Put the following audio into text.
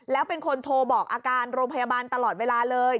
แล้วเป็นคนโทรบอกอาการโรงพยาบาลตลอดเวลาเลย